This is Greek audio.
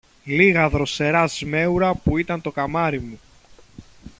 λίγα δροσερά σμέουρα, που ήταν το καμάρι μου!